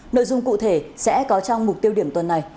nội dung cụ thể sẽ có trong mục tiêu điểm tuần này